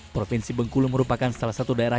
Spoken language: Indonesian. provinsi bengkulu merupakan salah satu daerah